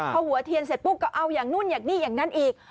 พอหัวเทียนเสร็จปุ๊บก็เอาอย่างนู้นอย่างนี้อย่างนั้นอีก